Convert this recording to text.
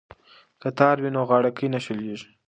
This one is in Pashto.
که تار وي نو غاړکۍ نه شلیږي.